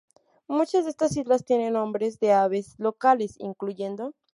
Muchas de estas islas tienen nombres de aves locales, incluyendo.